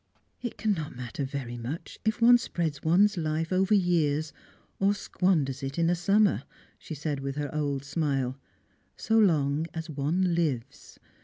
" It cannot matter very much if one spreads one's life over years, or squanders it in a summer," she said with her old smile, " so long as one lives.